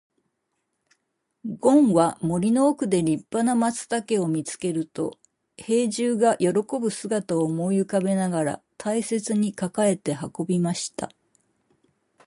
ごんは森の奥で立派な松茸を見つけると、兵十が喜ぶ姿を思い浮かべながら大切に抱えて運びました。